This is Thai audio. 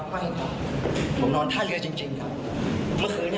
เมื่อคือนี้ผมนอนท่าเรือจริงจริงค่ะเราต้องทำแบบนี้